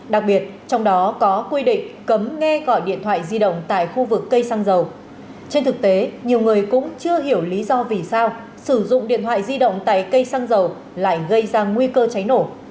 sao sử dụng điện thoại di động tẩy cây xăng dầu lại gây ra nguy cơ cháy nổ